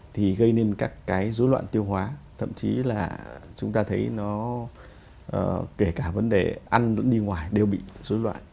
thì gây nên các cái dối loạn tiêu hóa thậm chí là chúng ta thấy nó kể cả vấn đề ăn đi ngoài đều bị dối loạn